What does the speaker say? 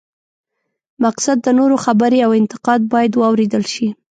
مقصد د نورو خبرې او انتقاد باید واورېدل شي.